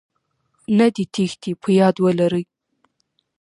نه دې تېښتې.په ياد ولرئ